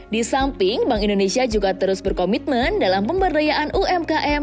di samping bank indonesia juga terus berkomitmen dalam pemberdayaan umkm